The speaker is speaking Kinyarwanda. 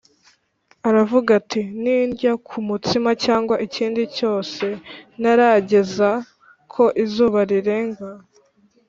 aravuga ati “Nindya ku mutsima cyangwa ikindi cyose ntarageza ko izuba rirenga